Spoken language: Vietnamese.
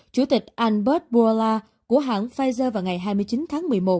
chủ tịch albert bola của hãng pfizer vào ngày hai mươi chín tháng một mươi một